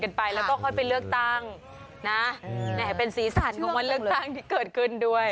กันไปแล้วก็ค่อยไปเลือกตั้งนะแหมเป็นสีสันของวันเลือกตั้งที่เกิดขึ้นด้วย